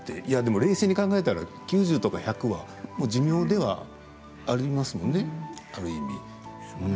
いやでも、冷静に考えたら９０とか１００は寿命ではありますもんね、ある意味。